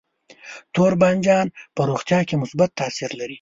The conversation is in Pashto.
تور بانجان په روغتیا کې مثبت تاثیر لري.